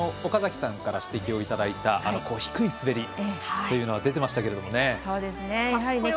岡崎さんから指摘をいただいた低い滑りというのが出ていましたけれどもね。